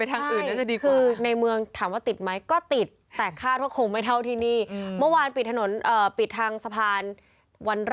์แต่ไม่วิกฤตเท่าที่คนกังวลกันเอาไว้